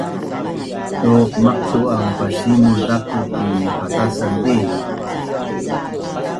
Duq maqtu’an pasimul zaku ki patasan ni?